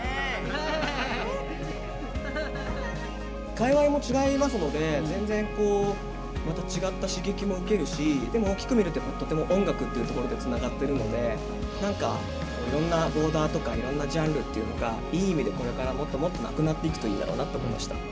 界わいも違いますので全然こうまた違った刺激も受けるしでも大きく見ると音楽っていうところでつながっているのでいろんなボーダーとかいろんなジャンルっていうのがいい意味でこれからもっともっとなくなっていくといいんだろうなと思いました。